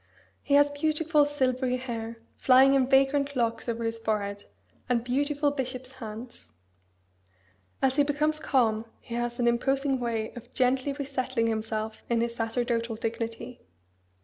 He has beautiful silvery hair, flying in vagrant locks over his forehead, and beautiful bishop's hands. As he becomes calm he has an imposing way of gently resettling himself in his sacerdotal dignity.